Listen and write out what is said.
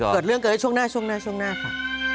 เกิดเรื่องเกิดให้ช่วงหน้าช่วงหน้าช่วงหน้าค่ะ